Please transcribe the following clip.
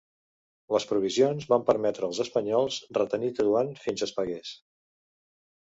Les provisions van permetre als espanyols retenir Tetuan fins es pagués.